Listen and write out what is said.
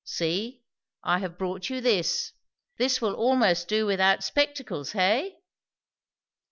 See, I have brought you this. This will almost do without spectacles, hey?"